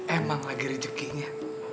emang lagi rejekinya